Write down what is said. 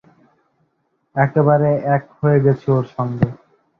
একেবারে এক হয়ে গেছি ওর সঙ্গে।